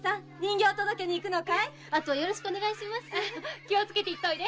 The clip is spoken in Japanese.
気をつけて行っといで。